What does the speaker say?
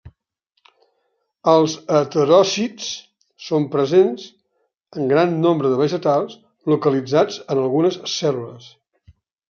Els heteròsids són presents en gran nombre de vegetals, localitzats en algunes cèl·lules.